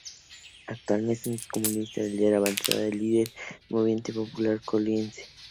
Actualmente es columnista del Diario Avanzada y líder del Movimiento Popular Colimense.